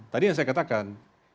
tadi yang saya katakan